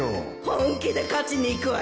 本気で勝ちにいくわよ